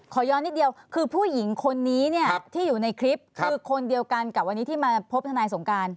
ขอย้อนนิดเดียวคือผู้หญิงคนนี้เนี่ยที่อยู่ในคลิปคือคนเดียวกันกับวันนี้ที่มาพบทนายสงการ